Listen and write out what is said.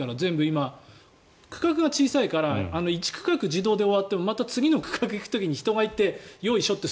今、区画が小さいから１区画自動で終わってもまた次の区画に行く時に人がいてよいしょって